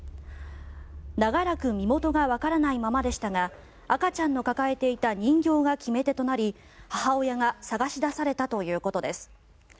長らく身元がわからないままでしたが赤ちゃんの抱えていた人形が決め手となり母親が捜し出されたということです。